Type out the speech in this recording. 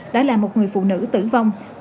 đã làm một người phụ nữ tử vong